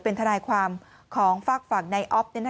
เป็นทนายความของฝากฝั่งนายอ๊อฟ